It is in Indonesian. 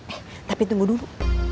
eh tapi tunggu dulu